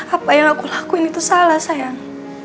apa yang aku lakuin itu salah sayang